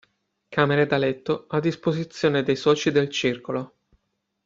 Camere da letto a disposizione dei soci del circolo.